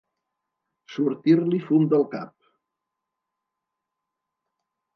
Sortir-li fum del cap.